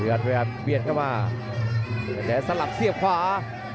อภิวัฒน์เวียดเข้ามาอภิวัฒน์สลับเสียบขวา